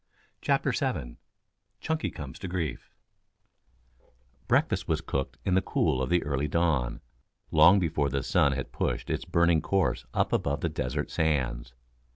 CHAPTER VII CHUNKY COMES TO GRIEF Breakfast was cooked in the cool of the early dawn, long before the sun had pushed its burning course up above the desert sands.